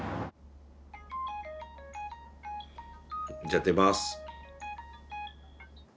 じゃ出ます。